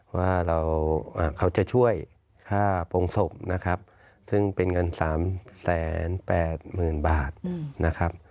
ว่าเขาจะช่วยค่าโปรงศพนะครับซึ่งเป็นเงิน๓๘๐๐๐บาทนะครับ